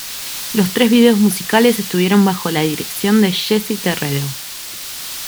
Los tres videos musicales estuvieron bajo la dirección de Jessy Terrero.